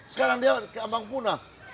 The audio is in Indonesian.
sekarang dia keambang punah